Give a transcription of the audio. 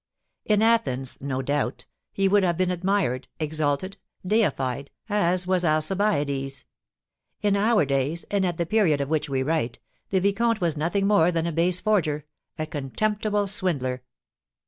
In Athens, no doubt, he would have been admired, exalted, deified, as was Alcibiades; in our days, and at the period of which we write, the vicomte was nothing more than a base forger, a contemptible swindler.